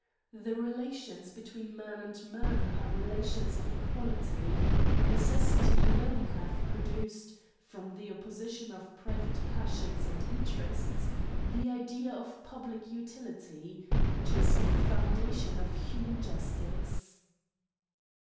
The relations between man and man are relations of equality. Necessity alone hath produced, from the opposition of private passions and interests, the idea of public utility, which is the foundation of human justice.